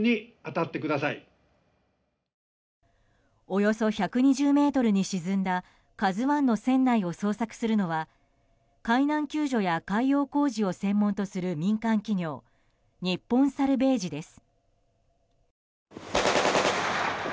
およそ１２０ｍに沈んだ「ＫＡＺＵ１」の船内を捜索するのは海難救助や海洋工事と専門とする民間企業日本サルヴェージです。